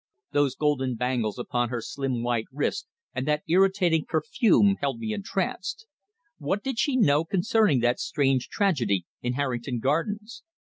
Those golden bangles upon her slim white wrist and that irritating perfume held me entranced. What did she know concerning that strange tragedy in Harrington Gardens.